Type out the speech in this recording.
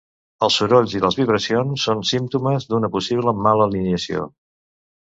Els sorolls i les vibracions són símptomes d'una possible mala alineació.